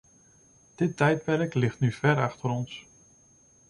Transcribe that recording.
Dit tijdperk ligt nu ver achter ons.